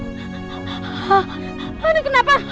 mbak mirna kenapa